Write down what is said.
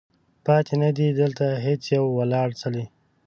پاتې نه دی، دلته هیڅ یو ولاړ څلی